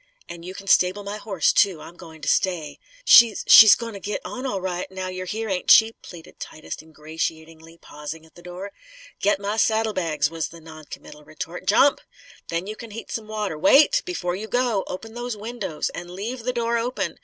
"And you can stable my horse, too. I'm going to stay." "She she's goin' to git on all right, now you're here, ain't she?" pleaded Titus ingratiatingly, pausing at the door. "Get my saddlebags!" was the non committal retort. "Jump! Then you can heat some water. Wait! Before you go, open those windows. And leave the door open.